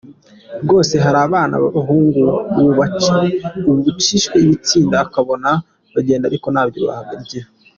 Rwose hari abana b’abahungu ubu baciwe ibitsinda ukabona bagenda ariko nta byo bagira".